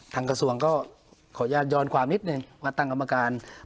ทางกระสวงก็ขอยอนความนิดนะคะว่าตั้งกรรมการ